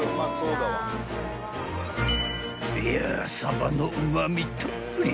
［いやサバのうま味たっぷり］